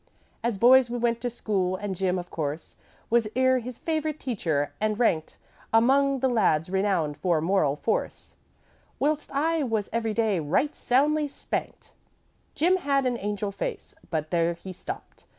"'As boys, we went to school, and Jim, of course, Was e'er his teacher's favorite, and ranked Among the lads renowned for moral force, Whilst I was every day right soundly spanked. "'Jim had an angel face, but there he stopped.